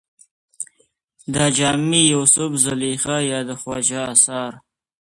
د جامي يوسف زلېخا يا د خواجه اثر